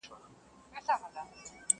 پرون مُلا وو کتاب پرانیستی؛